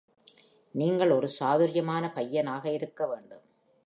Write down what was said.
நீங்கள் ஒரு சாதுர்யமான பையனாக இருக்க வேண்டும்!